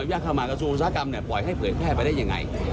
ญาตเข้ามากระทรวงอุตสาหกรรมปล่อยให้เผยแพร่ไปได้ยังไง